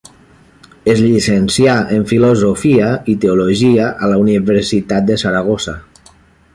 Es llicencià en filosofia i teologia a la Universitat de Saragossa.